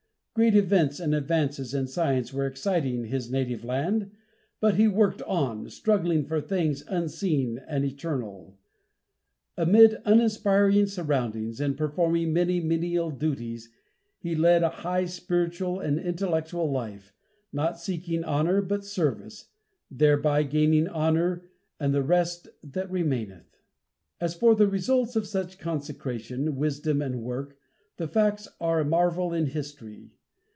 Great events and advances in science were exciting his native land, but he worked on, struggling for things unseen and eternal. Amid uninspiring surroundings, and performing many menial duties, he led a high spiritual and intellectual life, not seeking honor, but service thereby gaining honor, and the "rest that remaineth." As for the results of such consecration, wisdom and work, the facts are a marvel in history.